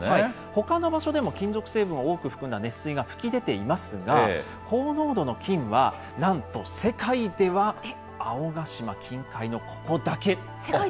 ほかの場所でも金属成分を多く含んだ熱水が噴き出ていますが、高濃度の金は、なんと世界では青ヶ島近海のここだけ。